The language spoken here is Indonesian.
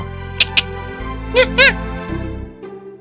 kau tidak tahu